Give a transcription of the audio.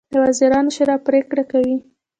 د وزیرانو شورا پریکړې کوي